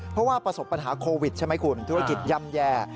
เพราะว่าประสบปัญหาโควิดใช่ไหมคุณธุรกิจย่ำแย่